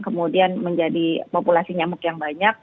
kemudian menjadi populasi nyamuk yang banyak